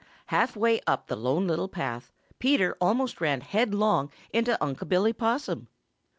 Half way up the Lone Little Path Peter almost ran headlong into Unc' Billy Possum.